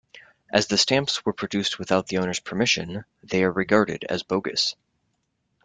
As the stamps were produced without the owner's permission, they are regarded as bogus.